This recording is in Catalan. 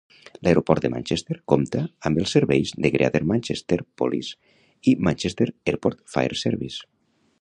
L"Aeroport de Manchester compta amb els serveis de Greater Manchester Police i Manchester Airport Fire Service.